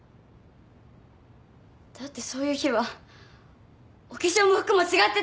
だってそういう日はお化粧も服も違ってた。